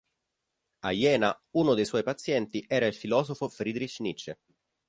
A Jena uno dei suoi pazienti era il filosofo Friedrich Nietzsche.